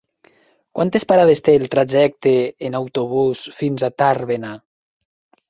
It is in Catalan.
Quantes parades té el trajecte en autobús fins a Tàrbena?